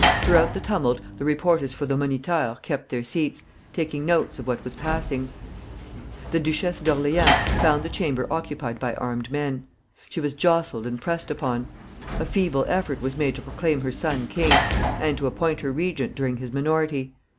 Throughout the tumult the reporters for the "Moniteur" kept their seats, taking notes of what was passing. The Duchess of Orleans found the Chamber occupied by armed men. She was jostled and pressed upon. A feeble effort was made to proclaim her son king, and to appoint her regent during his minority.